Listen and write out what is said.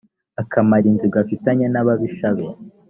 akamara inzigo afitanye n’ababisha be.